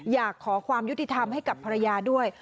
อยากขอความยุติธรรมให้กับภรรยาด้วย